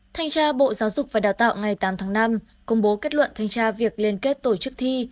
thanh tra bộ giáo dục và đào tạo ngày tám tháng năm công bố kết luận thanh tra việc liên kết tổ chức thi